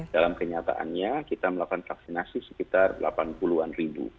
dalam kenyataannya kita melakukan vaksinasi sekitar delapan puluh an ribu